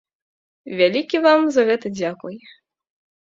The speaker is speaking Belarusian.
Вялікі вам за гэта дзякуй!